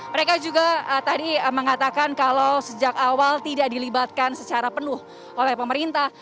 mereka juga tadi mengatakan kalau sejak awal tidak dilibatkan secara penuh oleh pemerintah